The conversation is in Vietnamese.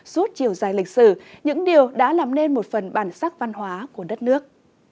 suốt chiều dài lịch sử những điều đã làm nên một phần bản sắc văn hóa của đất nước